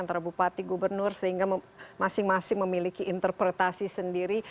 antara bupati gubernur sehingga masing masing memiliki interpretasi sendiri